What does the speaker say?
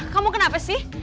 kamu kenapa sih